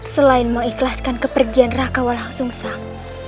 selain mengikhlaskan kepergian raka walangsungsang